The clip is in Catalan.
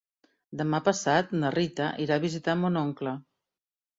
Demà passat na Rita irà a visitar mon oncle.